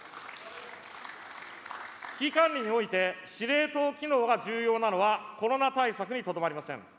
危機管理において、司令塔機能が重要なのは、コロナ対策にとどまりません。